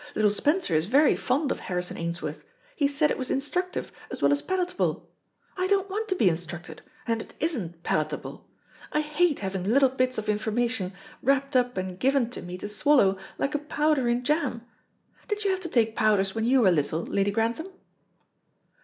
Little Spencer is very fond of Harrison Ainsworth; he said it was instructive as well as palatable. I don't want to be instructed, and it isn't palatable. I hate having little bits of information wrapped up and given to me to swallow, like a powder in jam. Did you have to take powders when you were little, Lady Grantham?"